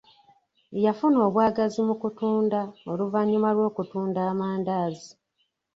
Yafuna obwagazi mu kufumba oluvannyuma lw'okutunda amandaazi.